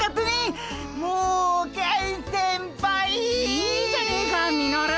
いいじゃねえかミノル。